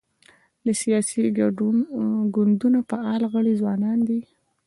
د سیاسي ګوندونو فعال غړي ځوانان دي.